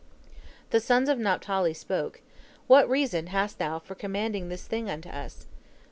The sons of Naphtali spoke, "What reason hast thou for commanding this thing unto us?"